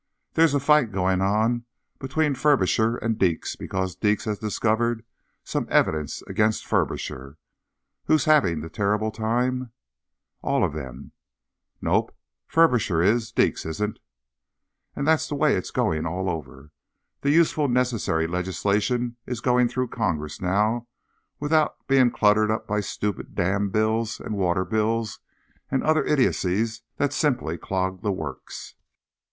There's a fight going on between Furbisher and Deeks because Deeks has discovered some evidence against Furbisher. Who's having the terrible time?_ All of them? Nope. Furbisher is. Deeks isn't. _And that's the way it's going all over. The useful, necessary legislation is going through Congress now without being cluttered up by stupid dam bills and water bills and other idiocies that simply clog the works.